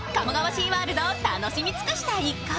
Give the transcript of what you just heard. シーワールドを楽しみ尽くした一行。